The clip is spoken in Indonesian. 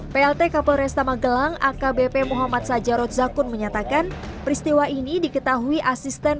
plt kapolres tamagelang akbp muhammad sajarot zakun menyatakan peristiwa ini diketahui asisten